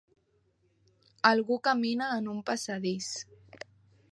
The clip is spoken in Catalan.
Algú camina en un passadís.